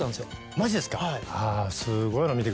マジですか。